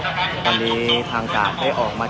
การประตูกรมทหารที่สิบเอ็ดเป็นภาพสดขนาดนี้นะครับ